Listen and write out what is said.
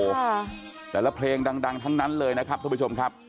หลายละเพลงดังทั้งนั้นเลยนะครับคุณผู้ชมครับ